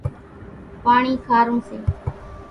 پاڻِي کارون سي۔